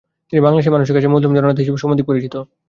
তিনি বাংলাদেশের মানুষের কাছে “মজলুম জননেতা” হিসাবে সমধিক পরিচিত।